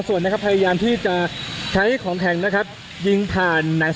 ทางกลุ่มมวลชนทะลุฟ้าทางกลุ่มมวลชนทะลุฟ้า